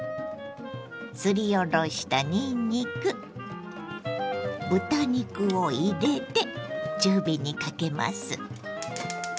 すりおろしたにんにく豚肉を入れて中火にかけます。